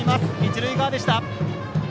一塁側でした。